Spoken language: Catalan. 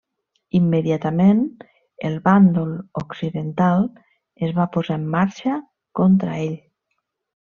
Immediatament el bàndol occidental es va posar en marxa contra ell.